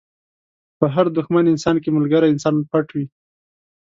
په هر دښمن انسان کې ملګری انسان پټ وي.